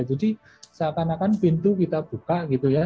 jadi seakan akan pintu kita buka gitu ya